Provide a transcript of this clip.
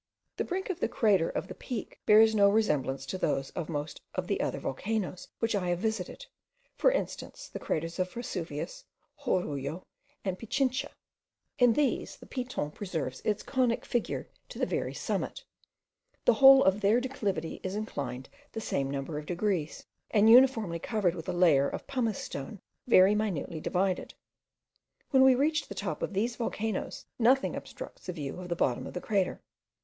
The brink of the crater of the peak bears no resemblance to those of most of the other volcanoes which I have visited: for instance, the craters of Vesuvius, Jorullo, and Pichincha. In these the Piton preserves its conic figure to the very summit: the whole of their declivity is inclined the same number of degrees, and uniformly covered with a layer of pumice stone very minutely divided; when we reach the top of these volcanoes, nothing obstructs the view of the bottom of the crater.